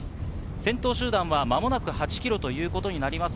先頭集団は間もなく８ｋｍとなります。